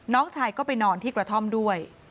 น้องชายก็ไปนอนที่กระท่อมด้วย